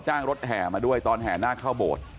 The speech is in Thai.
จ้างรถแห่มาด้วยตอนแห่นาคเข้าโบสถ์